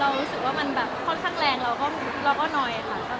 รู้สึกว่ามันแบบค่อนข้างแรงเราก็น้อยค่ะ